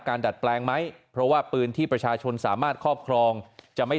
ดัดแปลงไหมเพราะว่าปืนที่ประชาชนสามารถครอบครองจะไม่